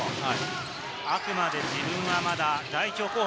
あくまで自分はまだ代表候補。